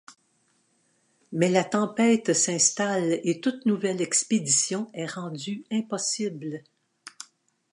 Mais la tempête s'installe et toute nouvelle expédition est rendue impossible.